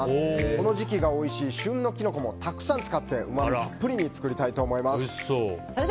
この時期がおいしい旬のキノコもたくさん使ってうまみたっぷりに作りたいと思います。